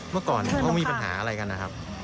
เมื่อก่อนเขามีปัญหาอะไรกันนะครับ